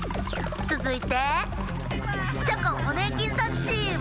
つづいて「チョコン・ホネーキンさん」チーム！